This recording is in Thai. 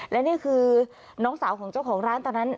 และนี่คือน้องสาวของเจ้าของร้านตอนนั้น